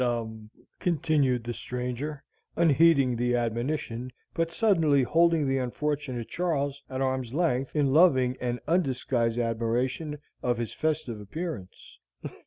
"Look at 'm!" continued the stranger, unheeding the admonition, but suddenly holding the unfortunate Charles at arm's length, in loving and undisguised admiration of his festive appearance.